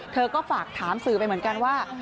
เธอก็ฝากถามสื่อไปเหมือนกันว่า